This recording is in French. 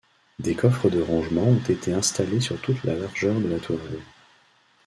Des coffres de rangement ont été installés sur toute la largeur de la tourelle.